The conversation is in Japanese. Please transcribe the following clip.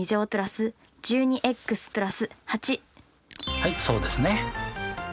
はいそうですね。